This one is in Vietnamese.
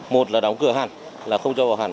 một là đóng cửa hẳn là không cho vào hẳn